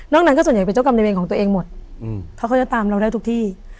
นั้นก็ส่วนใหญ่เป็นเจ้ากรรมในเวรของตัวเองหมดเพราะเขาจะตามเราได้ทุกที่